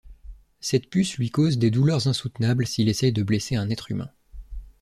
Cette puce lui cause des douleurs insoutenables s'il essaye de blesser un être humain.